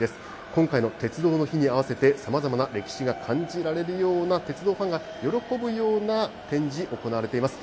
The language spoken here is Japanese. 今回の鉄道の日に合わせて、さまざまな歴史が感じられるような鉄道ファンが喜ぶような展示、行われています。